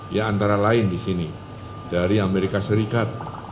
ya antara lain disini dari amerika serikat